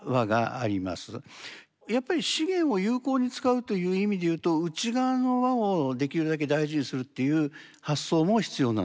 やっぱり資源を有効に使うという意味で言うと内側の輪をできるだけ大事にするっていう発想も必要なんですか？